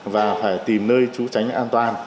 và phải tìm nơi chú tránh an toàn